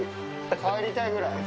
入りたいぐらい。